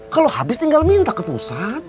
kalau habis tinggal minta ke pusat